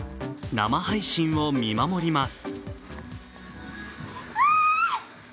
生配信を見守ります。